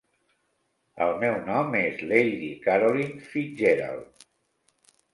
El meu nom es Lady Carolyn Fitzgerald.